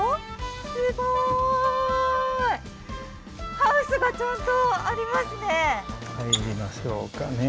すごい！ハウスが、ちゃんとありますね。